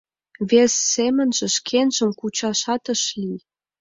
Вес семынже шкенжым кучашат ыш лий.